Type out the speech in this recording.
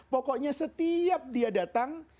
pokoknya setiap dia datang